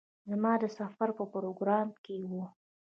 زما د سفر په پروگرام کې وه.